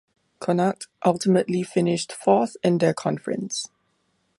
Connacht ultimately finished fourth in their conference.